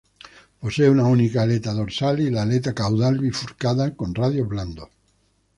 Posee una única aleta dorsal y la aleta caudal bifurcada, con radios blandos.